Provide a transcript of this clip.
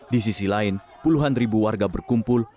di sisi lain puluhan ribu warga berkumpul